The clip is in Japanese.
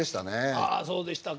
あそうでしたか。